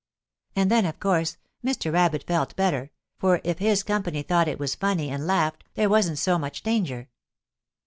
And then, of course, Mr. Rabbit felt better, for if his company thought it was funny and laughed there wasn't so much danger.